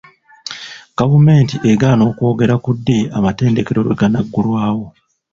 Gavumenti egaana okwogera ku ddi amatendekero lwe ganaggulawo.